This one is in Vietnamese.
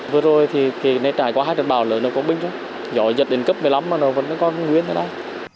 vừa rồi trải qua hai trận bão lớn ở quảng bình gió dật đến cấp một mươi năm mà vẫn còn nguyên thế này